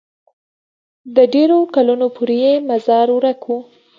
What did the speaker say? د ډېرو کلونو پورې یې مزار ورک وو.